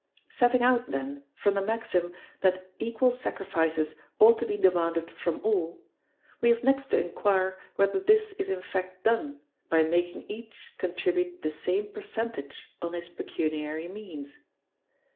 Setting out, then, from the maxim that equal sacrifices ought to be demanded from all, we have next to inquire whether this is in fact done, by making each contribute the same percentage on his pecuniary means.